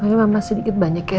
tapi memang sedikit banyak ya